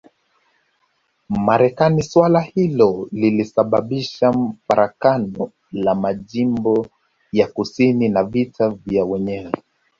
Marekani suala hilo lilisababisha farakano la majimbo ya kusini na vita vya wenyewe